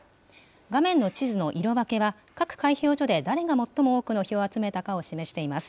画面の地図の色分けは、各開票所で誰が最も多くの票を集めたかを示しています。